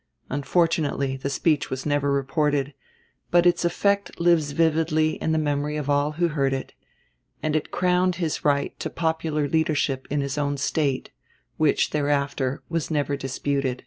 Unfortunately the speech was never reported; but its effect lives vividly in the memory of all who heard it, and it crowned his right to popular leadership in his own State, which thereafter was never disputed.